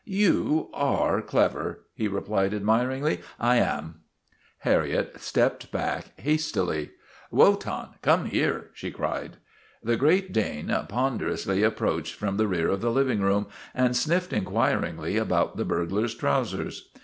" You are clever," he replied admiringly. " I am.' Harriet stepped back hastily. WOTAN, THE TERRIBLE 229 " Wotan, come here !" she cried. The Great Dane ponderously approached from the rear of the living room, and sniffed inquiringly about the burglar's trousers.